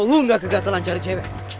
kalau lu gak kegatelan cari cewek